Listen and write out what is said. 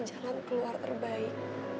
jalan keluar terbaik